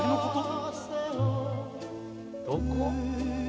どこ？